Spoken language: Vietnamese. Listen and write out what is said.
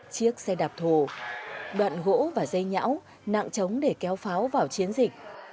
chiếc xe đạp thổ đoạn gỗ và dây nhão nặng trống để kéo pháo vào chiến dịch